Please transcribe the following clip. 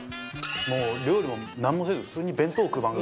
もう料理もなんもせず普通に弁当食う番組。